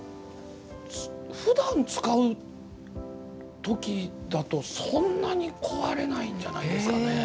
ふだん使う時だとそんなに壊れないんじゃないですかね。